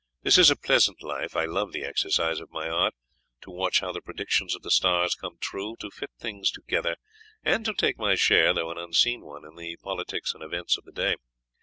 This is a pleasant life. I love the exercise of my art, to watch how the predictions of the stars come true, to fit things together, and to take my share, though an unseen one, in the politics and events of the day.